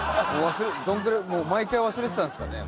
もう毎回忘れてたんですかね？